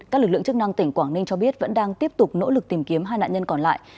các lực lượng chức năng tỉnh quảng ninh cho biết vẫn đang tiếp tục nỗ lực tìm kiếm hai nạn nhân còn lại